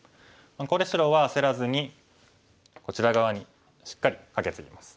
ここで白は焦らずにこちら側にしっかりカケツギます。